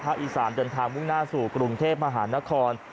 อีสานเดินทางมุ่งหน้าสู่กรุงเทพมหานคร